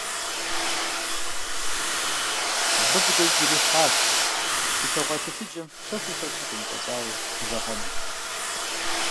Абы быдэу игу ирилъхьат илъэгъуа телъыджэм щэхуу хэлъыр къимытӀэщӀауэ мызэгъэну.